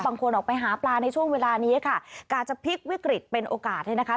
บางคนออกไปหาปลาในช่วงเวลานี้ค่ะกะจะพลิกวิกฤตเป็นโอกาสเนี่ยนะคะ